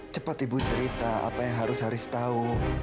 cepat ibu cerita apa yang harus haris tahu